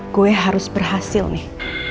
gue harus berhasil nih